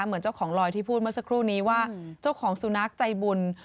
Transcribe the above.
เหมือนเจ้าของลอยที่พูดเมื่อสักครู่นี้ว่าเจ้าของสุนัขใจบุญ